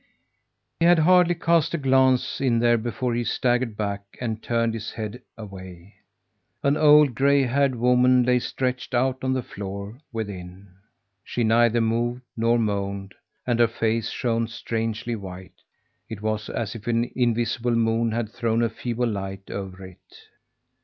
He had hardly cast a glance in there before he staggered back and turned his head away. An old, gray haired woman lay stretched out on the floor within. She neither moved nor moaned; and her face shone strangely white. It was as if an invisible moon had thrown a feeble light over it.